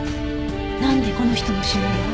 なんでこの人の指紋が？